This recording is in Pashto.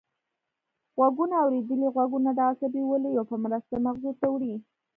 غوږونه اوریدلي غږونه د عصبي ولیو په مرسته مغزو ته وړي